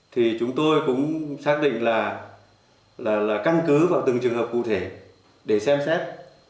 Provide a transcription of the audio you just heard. thì chúng tôi cũng xác định là căn cứ vào từng trường hợp cụ thể để xem xét